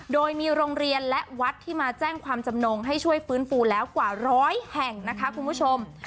โดยมีโรงเรียนและวัดที่มาแจ้งความจำนงให้ช่วยฟื้นฟูแล้วกว่าร้อยแห่งนะคะคุณผู้ชม